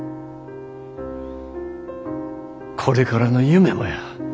これからの夢もや。